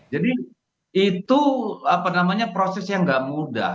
jadi itu apa namanya proses yang gak mudah